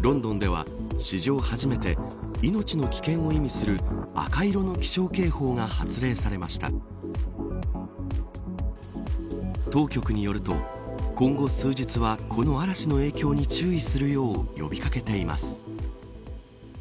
ロンドンでは史上初めて命の危険を意味する赤色の気象警報が発令されました当局によると、今後数日はこの嵐の影響に注意するよう呼び掛けています。